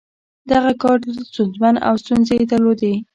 دغه کار ډېر ستونزمن و او ستونزې یې درلودې